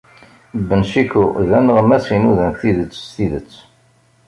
Ben Ciku d aneɣmas inudan tidet s tidet.